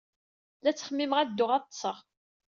La ttxemmimeɣ ad dduɣ ad ḍḍseɣ.